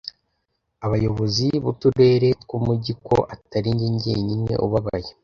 abayobozi b Uturere tw Umujyi ko atari jye jyenyine ubabaye